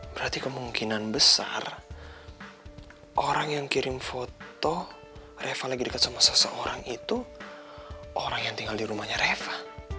berarti kemungkinan besar orang yang kirim foto reva lagi dekat sama seseorang itu orang yang tinggal di rumahnya reva